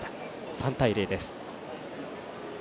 ３対０です。